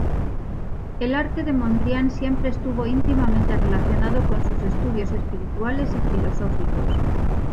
El arte de Mondrian siempre estuvo íntimamente relacionado con sus estudios espirituales y filosóficos.